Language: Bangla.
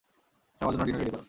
সবার জন্য ডিনার রেডি করো।